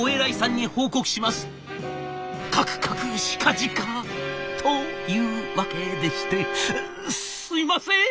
「かくかくしかじかというわけでしてすいません」。